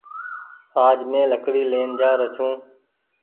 آج مينٚ لهڪڙي لين جآرو ڇوٚنٚ